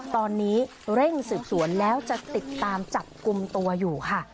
ตอนนี้เร่งสืบสวนแล้วจะติดตามจับกลุ่มตัวอยู่ค่ะ